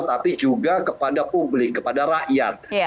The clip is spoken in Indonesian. tapi juga kepada publik kepada rakyat